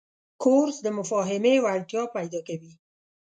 کورس د مفاهمې وړتیا پیدا کوي.